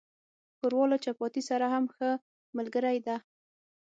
ښوروا له چپاتي سره هم ښه ملګری ده.